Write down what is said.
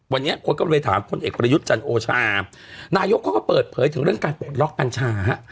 วันนี้คนก็เลยถามพลเอกประยุทธ์จันโอชานายกเขาก็เปิดเผยถึงเรื่องการปลดล็อกกัญชาฮะ